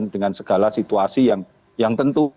dengan segala situasi yang tentu